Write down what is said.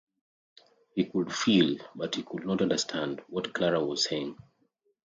He could feel, but he could not understand, what Clara was saying.